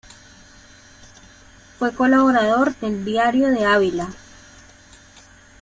Fue colaborador del "Diario de Ávila".